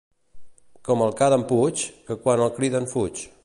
Com el ca d'en Puig, que quan el criden fuig.